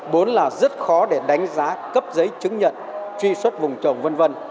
bốn là rất khó để đánh giá cấp giấy chứng nhận truy xuất vùng trồng v v